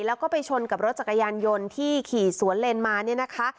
แล้วก็ไปชนกับรถจักรยานยนต์ที่ขี่สวนเลนมาเนี่ยนะคะ